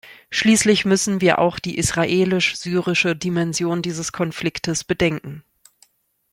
Schließlich müssen wir auch die israelisch-syrische Dimension dieses Konfliktes bedenken.